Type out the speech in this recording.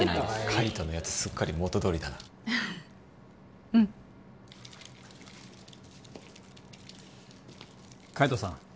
海斗のやつすっかり元どおりだなうん海斗さん